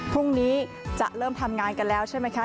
พรุ่งนี้จะเริ่มทำงานกันแล้วใช่ไหมคะ